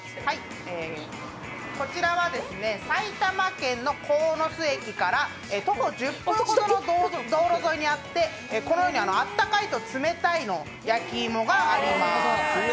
こちらは埼玉県の鴻巣駅から徒歩１０分ほどの道路沿いにあってあったかいと冷たいの焼き芋があります。